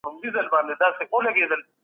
ټولنيز ځواکونه د کشمکش په حالت کي لوېږي.